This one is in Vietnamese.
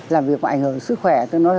làm việc ngoại hợp sức khỏe